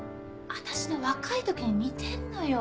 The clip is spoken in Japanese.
私の若い時に似てんのよ。